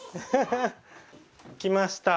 来ました。